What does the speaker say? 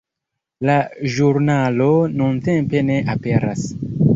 La ĵurnalo nuntempe ne aperas.